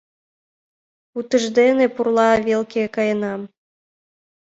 утыждене пурла велке каенам»;